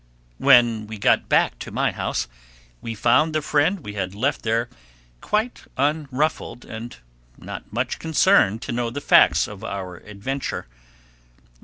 When we got back to my house we found the friend we had left there quite unruffled and not much concerned to know the facts of our adventure.